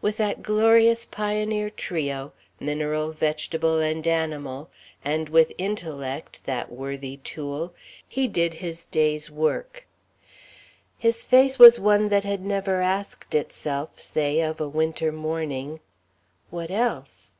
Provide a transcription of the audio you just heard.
With that glorious pioneer trio, mineral, vegetable and animal; and with intellect, that worthy tool, he did his day's work. His face was one that had never asked itself, say, of a Winter morning: _What else?